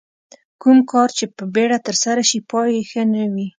کوم کار چې په بیړه ترسره شي پای یې ښه نه وي.